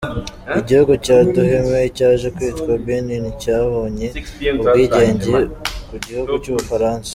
Igihugu cya Dahomey cyaje kwitwa Benin, cyabonye ubwigenge ku gihugu cy’ubufaransa.